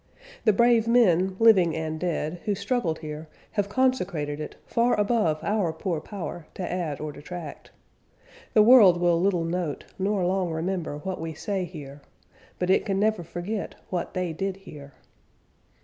The brave men, living and dead, who struggled here have consecrated it, far above our poor power to add or detract. The world will little note, nor long remember, what we say here, but it can never forget what they did here.